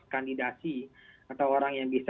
kandidasi atau orang yang bisa